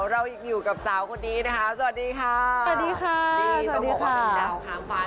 เรายังอยู่กับสาวคนนี้นะคะสวัสดีค่ะ